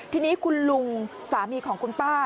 ทีนี้คุณลุงสามีของคุณป้า